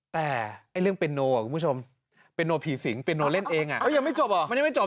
แต่เรื่องเปเนาก่อนมุจชม